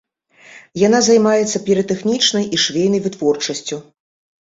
Яна займаецца піратэхнічнай і швейнай вытворчасцю.